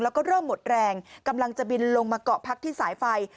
แล้วก็เริ่มหมดแรงกำลังจะบินลงมาเกาะพักที่สายไฟ